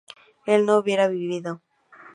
él no hubiera vivido